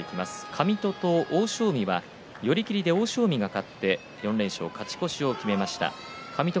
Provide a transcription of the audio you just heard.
上戸と欧勝海は寄り切りで欧勝海が勝って４連勝、勝ち越しを決めました。